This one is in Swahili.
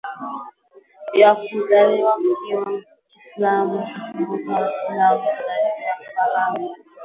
ya udhalili Wakiwa Waislamu Waturuki walio katika fahamu